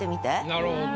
なるほど。